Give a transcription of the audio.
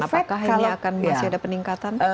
apakah ini akan masih ada peningkatan